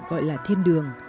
gọi là thiên đường